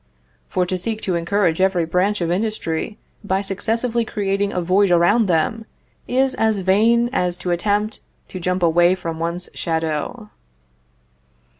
For to seek to encourage every branch of industry by successively creating a void around them, is as vain as to attempt to jump away from one's shadow.